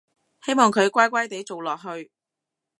希望佢乖乖哋做落去